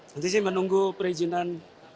nanti saya menunggu perizinan